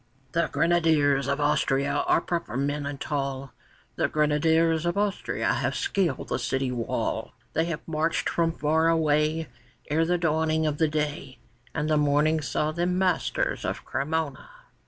] The Grenadiers of Austria are proper men and tall; The Grenadiers of Austria have scaled the city wall; They have marched from far away Ere the dawning of the day, And the morning saw them masters of Cremona.